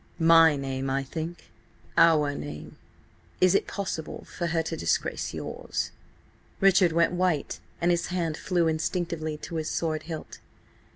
"My name, I think." "Our name! Is it possible for her to disgrace yours?" Richard went white and his hand flew instinctively to his sword hilt.